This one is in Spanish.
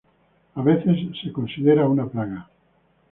A veces es considerado una plaga.